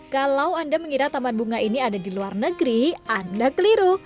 kalau anda mengira taman bunga ini ada di luar negeri anda keliru